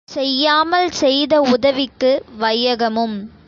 செய்யாமல் செய்த உதவிக்கு வையகமும்